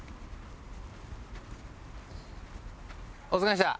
お疲れした！